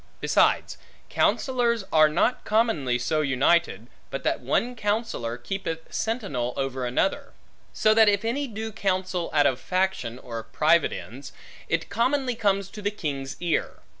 Besides, counsellors are not commonly so united, but that one counsellor, keepeth sentinel over another; so that if any do counsel out of faction or private ends, it commonly comes to the king's ear.